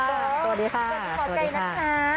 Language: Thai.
สวัสดีหมอไกรนะคะ